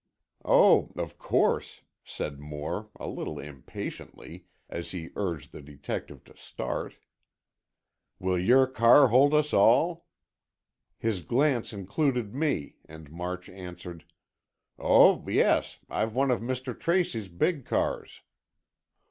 "Oh, of course," said Moore, a little impatiently, as he urged the detective to start. "Will your car hold us all?" His glance included me, and March answered; "Oh, yes. I've one of Mr. Tracy's big cars."